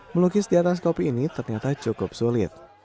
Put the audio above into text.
melukis di atas kopi ini ternyata cukup sulit